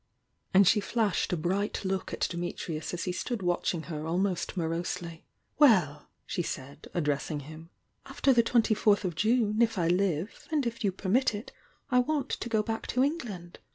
And she flashed a bright look at Dimi trius as he stood watching her almost morosely. "Well!" she said, addressing him, "after the twenty lourtii of June, if I live, and if you permit it, I want to go back to England.